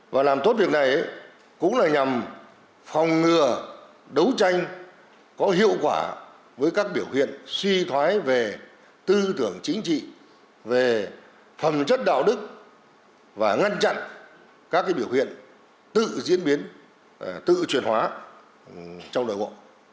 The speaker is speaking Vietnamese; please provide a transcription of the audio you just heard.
và làm tốt việc này cũng là nhằm phòng ngừa đấu tranh có hiệu quả với các biểu hiện suy thoái về tư tưởng chính trị về phẩm chất đạo đức và ngăn chặn các biểu hiện tự diễn biến tự truyền hóa trong nội bộ